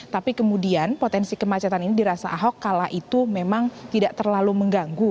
tapi kemudian potensi kemacetan ini dirasa ahok kala itu memang tidak terlalu mengganggu